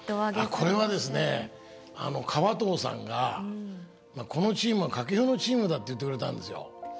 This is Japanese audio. これはですね川藤さんが「このチームは掛布のチームだ！」って言ってくれたんですよ。